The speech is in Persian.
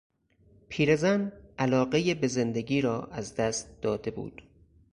پیرزن علاقهی به زندگی را از دست داده بود.